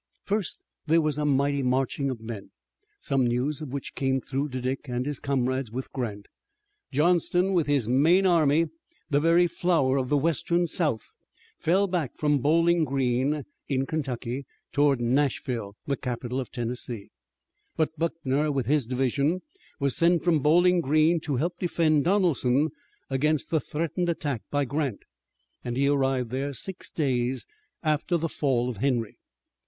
There was a mighty marching of men, some news of which came through to Dick and his comrades with Grant. Johnston with his main army, the very flower of the western South, fell back from Bowling Green, in Kentucky, toward Nashville, the capital of Tennessee. But Buckner, with his division, was sent from Bowling Green to help defend Donelson against the threatened attack by Grant, and he arrived there six days after the fall of Henry.